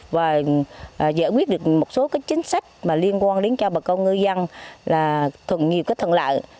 và giải quyết được một số chính sách liên quan đến cho bà công ngư dân là nhiều cái thần lợi